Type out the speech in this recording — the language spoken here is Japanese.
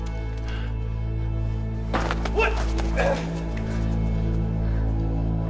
おい！